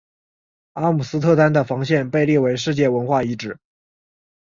阿姆斯特丹的防线被列为世界文化遗产。